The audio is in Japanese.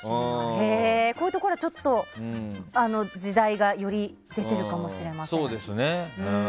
こういうところは時代がより出ているかもしれません。